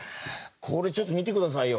これちょっと見てくださいよ」。